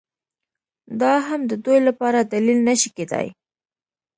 دا هم د دوی لپاره دلیل نه شي کېدای